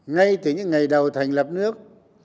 ngay từ những ngày đầu thành lập nước